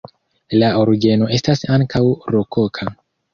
La orgeno estas ankaŭ rokoka.